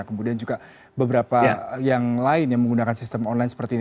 kemudian juga beberapa yang lain yang menggunakan sistem online seperti ini